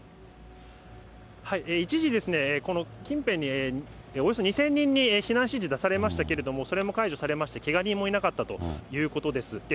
一時、この近辺におよそ２０００人に避難指示出されましたけれども、それも解除されまして、けが人もいなかったということです。